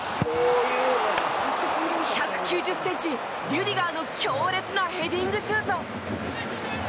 １９０ｃｍ、リュディガーの強烈なヘディングシュート！